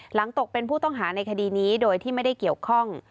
ตกเป็นผู้ต้องหาในคดีนี้โดยที่ไม่ได้เกี่ยวข้อง